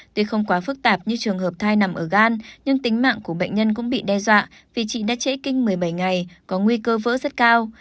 tuy không quá phức tạp như trường hợp thai nằm ở gan nhưng tính mạng của bệnh nhân cũng bị đe dọa vì chị đã trễ kinh một mươi bảy ngày có nguy cơ vỡ rất cao